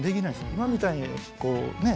今みたいにこうね